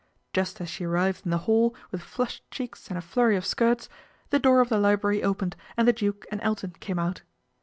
Just as she arrived in the hall with flushe cheeks and a flurry of skirts, the door of the librar opened and the Duke and Elton came out.